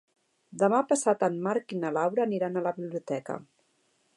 Demà passat en Marc i na Laura aniran a la biblioteca.